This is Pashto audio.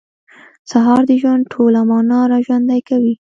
سهار د ژوند ټوله معنا راژوندۍ کوي.